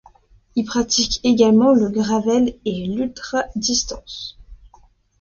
Il pratique également le gravel et l'ultra distance.